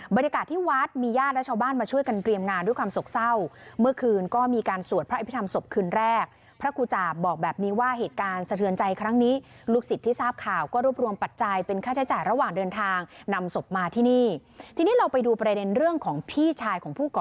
บริการที่วัดมีญาติและชาวบ้านมาช่วยกันเตรียมงานด้วยความศกเศร้า